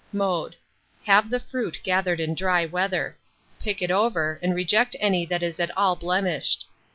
Mode. Have the fruit gathered in dry weather; pick it over, and reject any that is at all blemished.